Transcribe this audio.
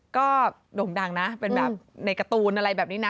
ก็โด่งดังนะเป็นแบบในการ์ตูนอะไรแบบนี้นะ